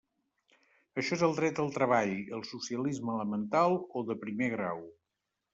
Això és el dret al treball, el socialisme elemental o de primer grau.